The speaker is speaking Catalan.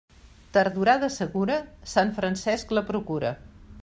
Tardorada segura, Sant Francesc la procura.